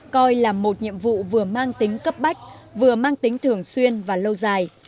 coi là một nhiệm vụ vừa mang tính cấp bách vừa mang tính thường xuyên và lâu dài